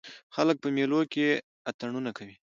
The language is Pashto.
خلک په مېلو کښي اتڼونه کوي.